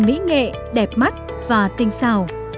mỹ nghệ đẹp mắt và tinh xào